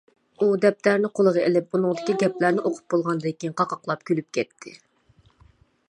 ئۇ دەپتەرنى قولىغا ئېلىپ ئۇنىڭدىكى گەپلەرنى ئوقۇپ بولغاندىن كېيىن قاقاقلاپ كۈلۈپ كەتتى.